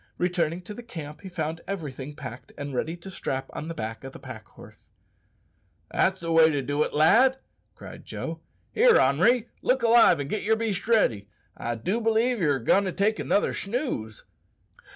Returning to the camp he found everything packed and ready to strap on the back of the pack horse. "That's the way to do it, lad," cried Joe. "Here, Henri, look alive and git yer beast ready. I do believe ye're goin' to take another snooze!"